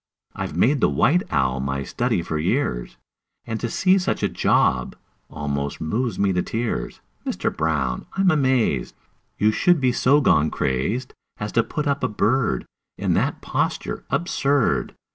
I've made the white owl my study for years, And to see such a job almost moves me to tears! Mister Brown, I'm amazed You should be so gone crazed As to put up a bird In that posture absurd!